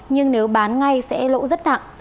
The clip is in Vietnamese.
nhưng nếu bán ngay sẽ lỗ rất nặng